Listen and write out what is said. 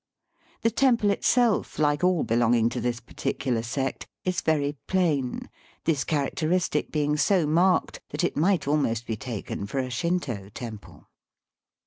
The temple itself, like aU belonging to this particular sect, is very plain ; this characteristic being so marked that it might almost be taken for a Shinto temple.